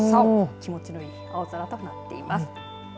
気持ちのいい青空となっています。